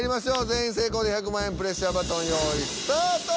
全員成功で１００万円プレッシャーバトン用意スタート。